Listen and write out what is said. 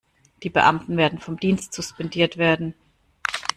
Die Beamten werden vom Dienst suspendiert werden.